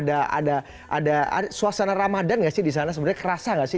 ada suasana ramadan nggak sih di sana sebenarnya kerasa gak sih